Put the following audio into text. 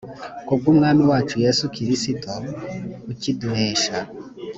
ku bw umwami wacu yesu kristo ukiduhesha